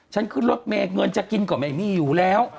ฉันขึ้นรถเมเงินจะกินกว่าเมมี่อยู่แล้ว